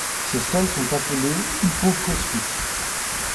Ses sels sont appelés hypophosphites.